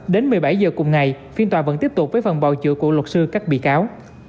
đến một mươi bảy h cùng ngày phiên tòa vẫn tiếp tục với phần bầu chữa của luật sư các bị cáo